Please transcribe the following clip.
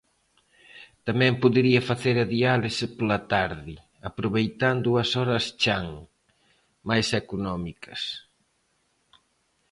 Tamén podería facer a diálise pola tarde, aproveitando as horas chan, máis económicas.